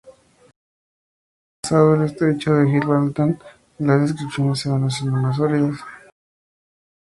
Una vez pasado el estrecho de Gibraltar, las descripciones se van haciendo más sólidas.